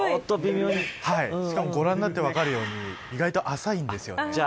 しかもご覧になって分かるように意外と浅いんですよね。